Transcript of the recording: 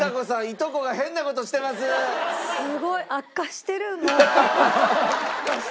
すごい悪化してる。